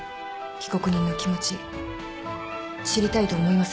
被告人の気持ち知りたいと思いませんか？